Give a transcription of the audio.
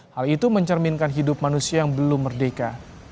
hal itu mencerminkan hidup manusia yang belum merdeka